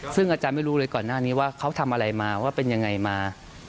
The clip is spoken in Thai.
ซึ่งอาจารย์ไม่รู้เลยก่อนหน้านี้ว่าเขาทำอะไรมาว่าเป็นยังไงมา